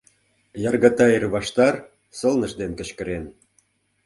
Яргата ир ваштар Сылныж ден кычкырен…